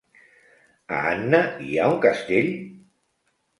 A Anna hi ha un castell?